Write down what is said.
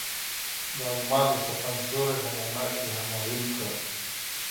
دا زما د سخن سيوری په معنی کې همایون کړه.